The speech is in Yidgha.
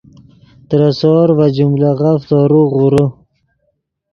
ترے سور ڤے جملغف تورو غورے